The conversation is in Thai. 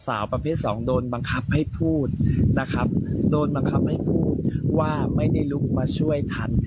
สาวประเภท๒โดนบังคับให้พูดว่าไม่ได้ลุกมาช่วยทัน